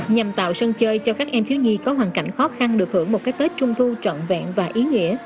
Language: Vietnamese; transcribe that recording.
nhằm tạo sân chơi cho các em thiếu nhi có hoàn cảnh khó khăn được hưởng một cái tết trung thu trọn vẹn và ý nghĩa